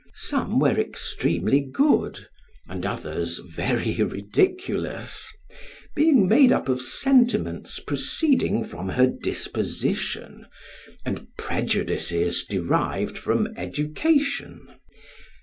Some were extremely good, and others very ridiculous, being made up of sentiments proceeding from her disposition, and prejudices derived from education.